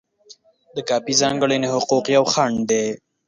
د کاپي ځانګړي حقوق یو خنډ دی.